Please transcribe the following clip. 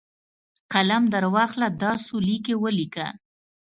قلم درواخله ، دا څو لیکي ولیکه!